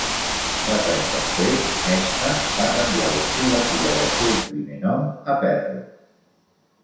Quatre anys després, Mesta va canviar l'ortografia del seu primer nom a Perle.